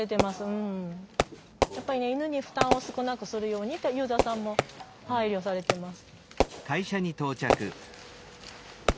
やっぱり犬に負担を少なくするようにとユーザーさんも配慮されてます。